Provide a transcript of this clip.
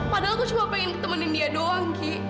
padahal aku cuma pengen ketemenin dia doang ki